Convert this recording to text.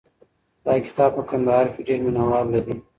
دا کتاب په کندهار کې ډېر مینه وال لري.